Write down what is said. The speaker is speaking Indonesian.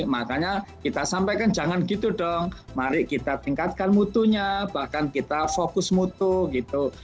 makanya kita sampaikan jangan gitu dong mari kita tingkatkan mutunya bahkan kita fokus mutu gitu